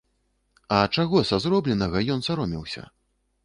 А чаго са зробленага ён саромеўся?